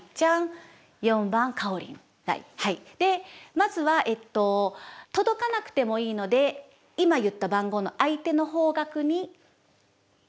まずは届かなくてもいいので今言った番号の相手の方角に行きます。